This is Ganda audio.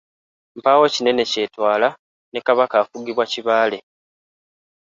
Mpaawo kinene kyetwala, ne Kabaka afugibwa Kibaale.